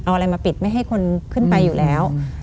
เอาอะไรมาปิดไม่ให้คนขึ้นไปอยู่แล้ว